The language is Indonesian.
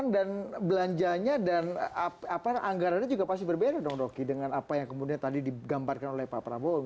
dan belanjanya dan anggarannya juga pasti berbeda dong doki dengan apa yang kemudian tadi digambarkan oleh pak prabowo